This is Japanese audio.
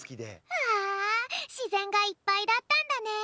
うわしぜんがいっぱいだったんだね！